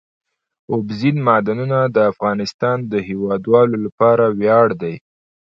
اوبزین معدنونه د افغانستان د هیوادوالو لپاره ویاړ دی.